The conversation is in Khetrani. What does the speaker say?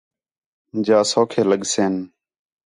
جا سَوکھے لڳسِن